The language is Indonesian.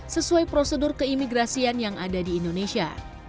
sesuai prosedur keimigrasian yang ada di indonesia